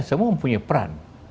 semua punya peran